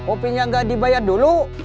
op nya nggak dibayar dulu